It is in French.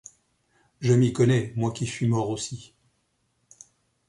Je m’y connais, moi qui suis mort aussi.